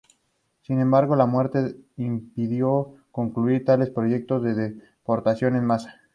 Sin embargo, la muerte le impidió concluir tales proyectos de deportación en masa.